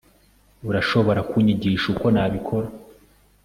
urashobora kunyigisha uko nabikora